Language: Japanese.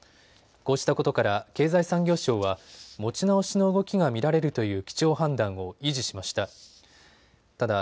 こうしたことから経済産業省は持ち直しの動きが見られるという基調判断を維持しました。